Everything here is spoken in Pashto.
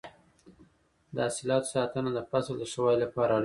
د حاصلاتو ساتنه د فصل د ښه والي لپاره اړینه ده.